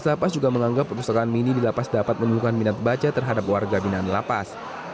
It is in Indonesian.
petugas lapas juga menganggap perpustakaan mini di lapas dapat menimbulkan minat baca terhadap warga binaan lapas